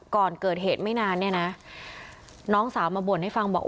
ก่อนเกิดเหตุไม่นานเนี่ยนะน้องสาวมาบ่นให้ฟังบอก